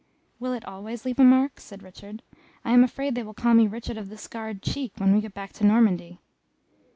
"Will it always leave a mark?" said Richard. "I am afraid they will call me Richard of the scarred cheek, when we get back to Normandy."